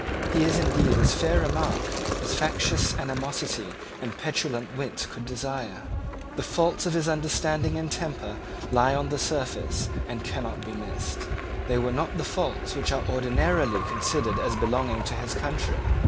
He is indeed as fair a mark as factious animosity and petulant wit could desire. The faults of his understanding and temper lie on the surface, and cannot be missed. They were not the faults which are ordinarily considered as belonging to his country.